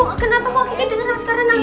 ibu kenapa kok kiki dengeran sekarang nangis